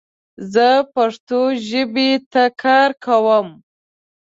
زه پښتو ژبې ته کار کوم